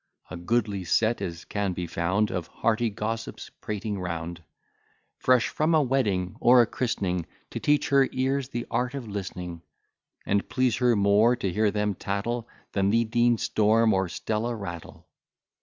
A goodly set as can be found Of hearty gossips prating round; Fresh from a wedding or a christening, To teach her ears the art of listening, And please her more to hear them tattle, Than the Dean storm, or Stella rattle.